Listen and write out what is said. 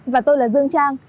và tôi là dương trang